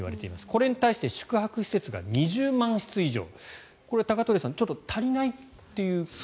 これに対して宿泊施設が２０万室以上これ、鷹鳥屋さんちょっと足りないという。